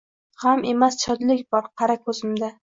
G’am emas, shodlik bor, qara ko’zimda